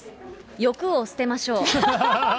欲を捨てましょう。